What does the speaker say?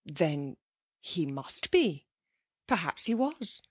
Then, he must be! Perhaps he was.